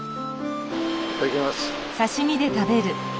いただきます。